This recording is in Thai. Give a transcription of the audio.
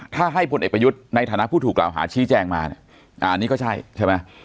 ถ้าให้พลเอกประยุทธ์ในฐานะผู้ถูกกล่าวหาชี้แจงมาเนี่ยอันนี้ก็ใช่ใช่ไหม